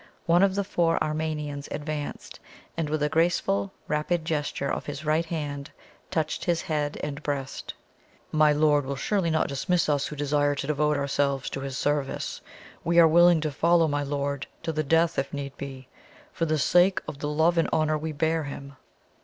One of the four Armenians advanced, and with a graceful rapid gesture of his right hand, touched his head and breast. "My lord will not surely dismiss US who desire to devote ourselves to his service? We are willing to follow my lord to the death if need be, for the sake of the love and honour we bear him."